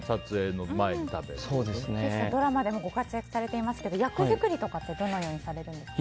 ドラマでもご活躍されてますけども役作りとかってどのようにされていますか？